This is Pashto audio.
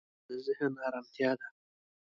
ځغاسته د ذهن ارمتیا ده